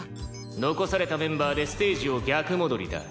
残されたメンバーでステージを逆戻りだ。